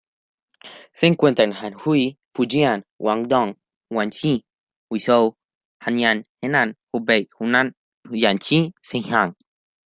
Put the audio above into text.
Se encuentra en Anhui, Fujian, Guangdong, Guangxi, Guizhou, Hainan, Henan, Hubei, Hunan, Jiangxi, Zhejiang.